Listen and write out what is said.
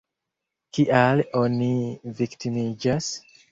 Kial oni viktimiĝas?